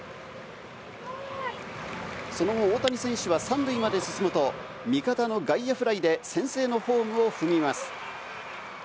その後、大谷選手は３塁まで進むと、味方の外野フライで先制のホームを踏みます。